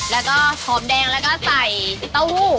แล้วก็หอมแดงแล้วก็ใส่เต้าหู้